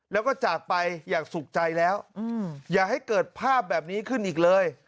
แล้วก็จากไปอย่างสุขใจแล้วอย่าให้เกิดภาพแบบนี้ขึ้นอีกเลย